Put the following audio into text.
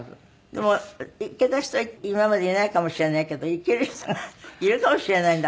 でもいけた人今までいないかもしれないけどいける人がいるかもしれないんだからね。